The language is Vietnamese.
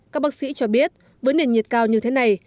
các bác sĩ cho biết với nền nhiệt cao như thế này